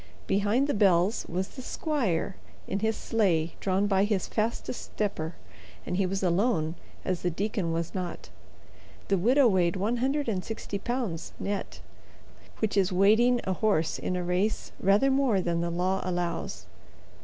Behind the bells was the squire in his sleigh drawn by his fastest stepper, and he was alone, as the deacon was not. The widow weighed one hundred and sixty pounds, net—which is weighting a horse in a race rather more than the law allows.